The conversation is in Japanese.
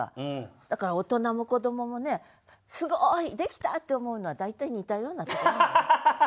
だから大人も子どももね「すごい！」「できた！」って思うのは大体似たような句が多い。